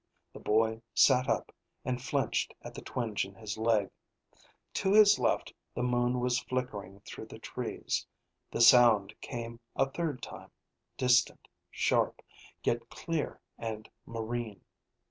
The boy sat up and flinched at the twinge in his leg. To his left the moon was flickering through the trees. The sound came a third time, distant, sharp, yet clear and marine.